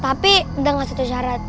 tapi nanti aku kasih satu syarat